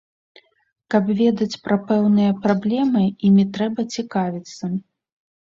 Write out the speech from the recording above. Каб ведаць пра пэўныя праблемы, імі трэба цікавіцца.